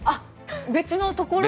別のところで。